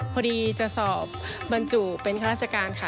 พอดีจะสอบบรรจุเป็นข้าราชการค่ะ